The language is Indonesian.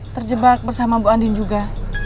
terjebak bersama bu andin juga